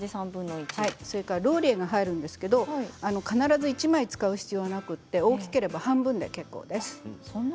ローリエが入るんですが必ず１枚使う必要はなくて大きければ半分で結構です。